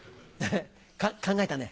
考えたね。